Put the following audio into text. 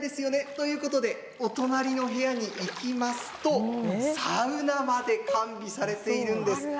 ということでお隣の部屋に行きますとサウナまで完備されているんです。